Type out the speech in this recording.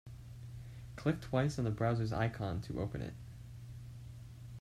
Click twice on the browser's icon to open it.